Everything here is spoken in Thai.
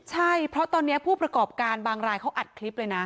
ใช่เพราะตอนนี้ผู้ประกอบการบางรายเขาอัดคลิปเลยนะ